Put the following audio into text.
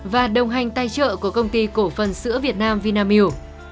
và đồng hành tài trợ của công ty cổ phần sữa việt nam vinamilk